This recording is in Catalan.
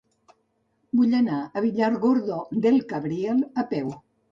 Vull anar a Villargordo del Cabriel a peu.